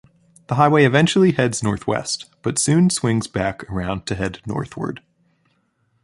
The highway eventually heads northwest, but soon swings back around to head northward.